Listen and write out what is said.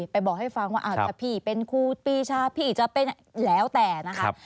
บอกให้ฟังว่าถ้าพี่เป็นครูปีชาพี่จะเป็นแล้วแต่นะคะ